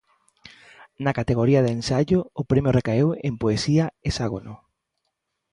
Na categoría de Ensaio o premio recaeu en Poesía Hexágono.